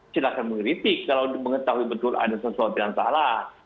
silahkan mengkritik kalau mengetahui betul ada sesuatu yang salah